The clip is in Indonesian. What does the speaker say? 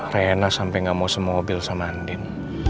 reina sampe gak mau semobil sama andin